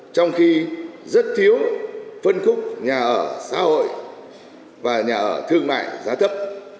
trong khi rất thiếu phân khúc nhà ở xã hội và nhà ở thương mại giá thấp